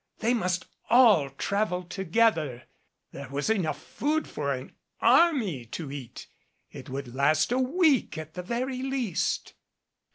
They must all travel together. There was enough food for an army to eat. It would last a week at the very least.